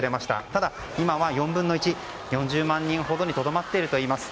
ただ、今は４分の１４０万人ほどにとどまっているといいます。